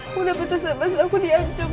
aku dapat sms aku di ancam